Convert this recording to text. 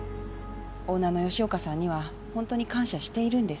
オーナーの吉岡さんには本当に感謝しているんです。